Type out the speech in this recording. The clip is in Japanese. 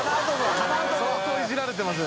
相当イジられてますよ。